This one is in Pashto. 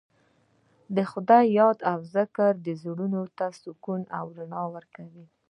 د خدای یاد او ذکر زړونو ته سکون او رڼا ورکوي.